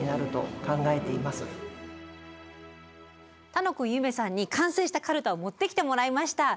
楽くん夢さんに完成したかるたを持ってきてもらいました。